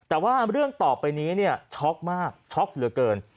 แต่ว่าเรื่องต่อไปนี้เนี่ยช็อกมากช็อกเหลือเกิน